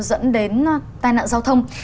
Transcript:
dẫn đến tai nạn giao thông